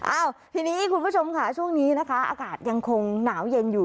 อ้าวทีนี้คุณผู้ชมค่ะช่วงนี้นะคะอากาศยังคงหนาวเย็นอยู่